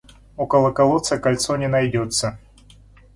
Около колодца кольцо не найдется.